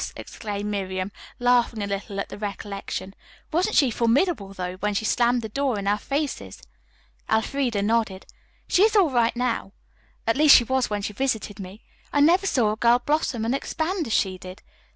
exclaimed Miriam, laughing a little at the recollection. "Wasn't she formidable, though, when she slammed the door in our faces?" Elfreda nodded. "She is all right now. At least she was when she visited me. I never saw a girl blossom and expand as she did.